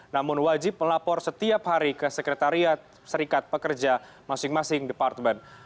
namun wajib melapor setiap hari ke sekretariat serikat pekerja masing masing departemen